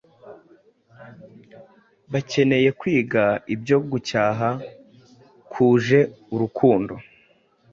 bakeneye kwiga ibyo gucyaha kuje urukundo,